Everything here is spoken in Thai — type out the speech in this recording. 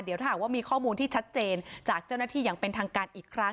เดี๋ยวถ้าหากว่ามีข้อมูลที่ชัดเจนจากเจ้าหน้าที่อย่างเป็นทางการอีกครั้ง